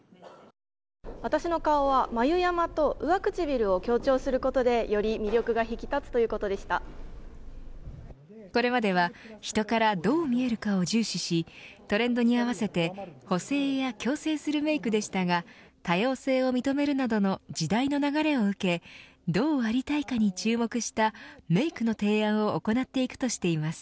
私の顔は眉山と上唇を強調することでより魅力がこれまでは人からどう見えるかを重視しトレンドに合わせて補整や矯正するメークでしたが多様性を認めるなどの時代の流れを受けどうありたいかに注目したメークの提案を行っていくとしています。